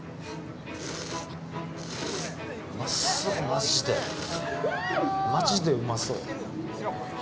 うまそうマジでマジでうまそう・